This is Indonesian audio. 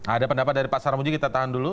ada pendapat dari pak sarmuji kita tahan dulu